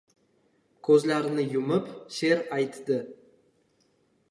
Ko‘zlarini yumib she’r aytdi: